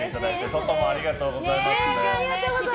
外もありがとうございます。